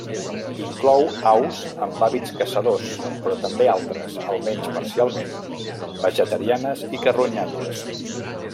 Inclou aus amb hàbits caçadors, però també altres, almenys parcialment, vegetarianes i carronyaires.